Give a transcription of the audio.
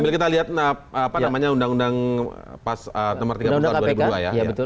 sambil kita lihat undang undang pas nomor tiga puluh tahun dua ribu dua ya